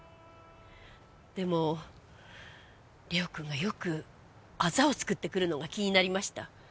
でも玲央君がよく痣を作ってくるのが気になりました。